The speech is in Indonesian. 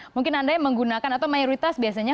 mungkin anda yang menggunakan atau mayoritas biasanya